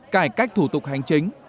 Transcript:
cải cách thủ tục hành chính